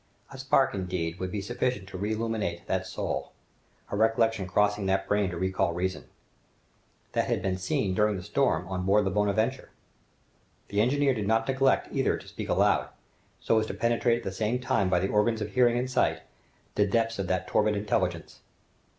A spark, indeed, would be sufficient to reillumine that soul, a recollection crossing that brain to recall reason. That had been seen, during the storm, on board the "Bonadventure!" The engineer did not neglect either to speak aloud, so as to penetrate at the same time by the organs of hearing and sight the depths of that torpid intelligence.